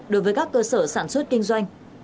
đối với các cơ sở sản xuất kinh doanh